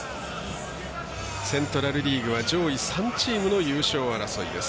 セントラル・リーグは上位３チームの優勝争いです。